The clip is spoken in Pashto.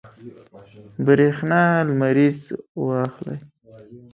برېښنا لمریز واخلئ.